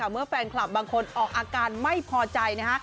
เมื่อแฟนคลับบางคนออกอาการไม่พอใจนะฮะ